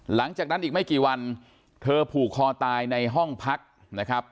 หลังจากนั้นอีกไม่กี่วันเธอผูกคอตายในห้องพักนะครับ